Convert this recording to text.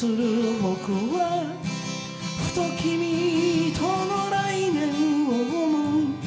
「僕はふと君との来年を思う」